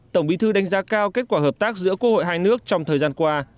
tổng bí thư đánh giá cao kết quả hợp tác giữa quốc hội hai nước trong thời gian qua